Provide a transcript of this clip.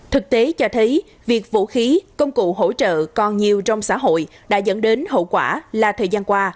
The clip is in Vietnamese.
thực tế cho thấy việc vũ khí công cụ hỗ trợ còn nhiều trong xã hội đã dẫn đến hậu quả là thời gian qua